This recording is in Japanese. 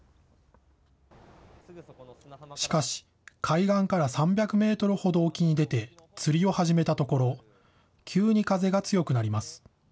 しかし、海岸から３００メートルほど沖に出て、釣りを始めたところ、急に風が強くなります。